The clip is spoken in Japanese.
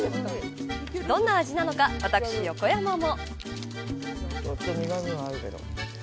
どんな味なのか、私、横山も。